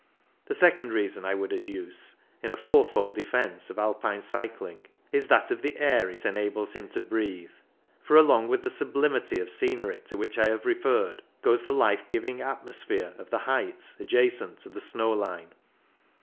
The second reason I would adduce, in a fourfold defence of Alpine cycling, is that 4 CYCLING IN THE ALPS of the air it enables him to breathe ; for along with the sublimity of scenery to which I have referred goes the life giving atmosphere of the heights adjacent to the snow line.